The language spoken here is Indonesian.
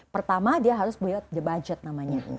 pertama dia harus punya budget namanya